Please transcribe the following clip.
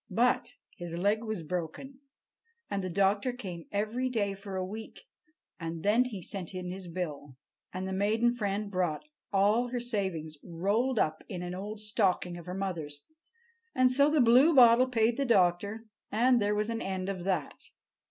But his leg was broken; and the doctor came every day for a week, and then he sent in his bill. And the maiden friend brought all her savings rolled up in an old stocking of her mother's. And so the Bluebottle paid the doctor, and there was an end of that.